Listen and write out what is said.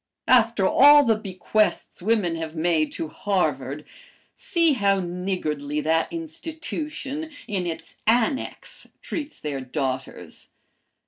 After all the bequests women have made to Harvard see how niggardly that institution, in its 'annex,' treats their daughters.